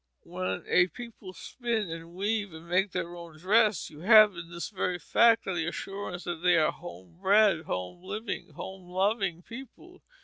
When a people spin and weave and make their own dress, you have in this very fact the assurance that they are home bred, home living, home loving people.